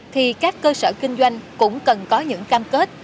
thì các cơ sở kinh doanh cũng cần có những cam kết